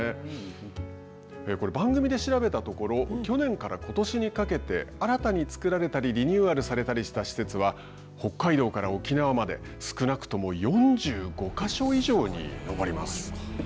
番組で調べたところ去年からことしにかけて新たに作られたりリニューアルされたりした施設は北海道から沖縄まで少なくとも４５か所以上に上ります。